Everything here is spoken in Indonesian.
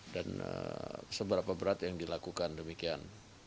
seberapa berat yang dilakukan demikian